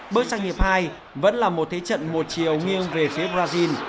bước sang hiệp hai vẫn là một thế trận một chiều nghiêng về phía brazil